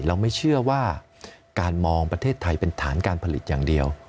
เราไม่เชื่อว่าการมองประเทศไทยเป็นฐานการผลิตอย่างเดียว